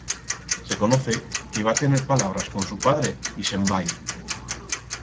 Se conoce que va tener palabras con su padre y se'n va ir.